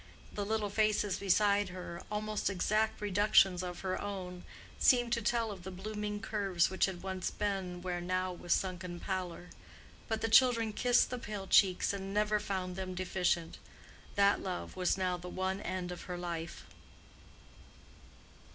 The little faces beside her, almost exact reductions of her own, seemed to tell of the blooming curves which had once been where now was sunken pallor. But the children kissed the pale cheeks and never found them deficient. That love was now the one end of her life.